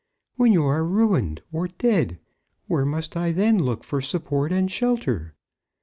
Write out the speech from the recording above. When you are ruined, or dead, where must I then look for support and shelter?"